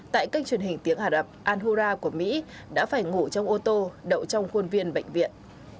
tại kênh truyền hình tiếng ả rập alura của mỹ đã phải ngủ trong ô tô đậu trong khuôn viên bệnh viện